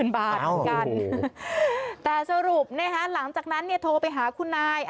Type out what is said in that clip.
๑๐๐๐๐บาทกันแต่สรุปหลังจากนั้นโทรไปหาคุณนาย